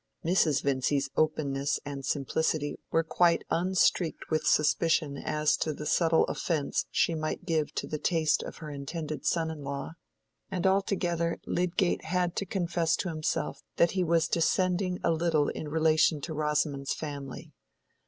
Mrs. Vincy's openness and simplicity were quite unstreaked with suspicion as to the subtle offence she might give to the taste of her intended son in law; and altogether Lydgate had to confess to himself that he was descending a little in relation to Rosamond's family.